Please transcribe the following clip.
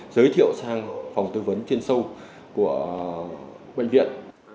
giới thiệu sang phòng tư vấn chuyên sâu của bệnh viện